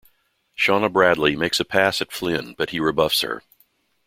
Shauna Bradley makes a pass at Flynn but he rebuffs her.